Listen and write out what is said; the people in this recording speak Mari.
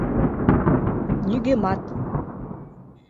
Нигӧмат